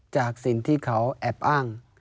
จากสิ่งที่เขาแอบอ้าง